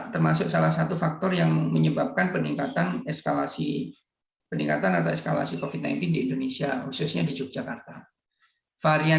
delta termasuk salah satu faktor yang menyebabkan covid sembilan belas di yogyakarta